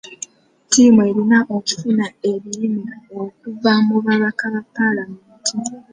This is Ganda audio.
Ttiimu erina okufuna ebirime okuva mu babaka ba paalamenti.